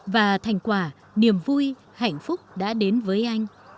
và thành quả niềm vui hạnh phúc đã đến với anh